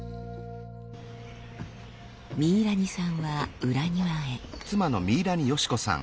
ミイラニさんは裏庭へ。